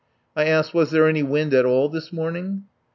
I asked: "Was there any wind at all this morning?"